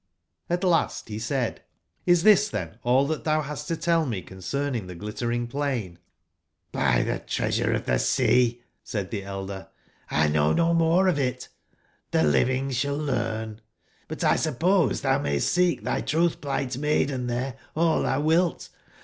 Ht last be said: *'Xs tbis tben all tbat tbou bast to tell me concerning tbe Glittering plain ?"j^'*By tbe ITrea sure of tbe Seat" said tbe Slder, X hnownomore of it. Tbe living sball learn. But X suppose tbat tbou mayst seek tby trotb/pligbt maiden tbere all tbou wilt.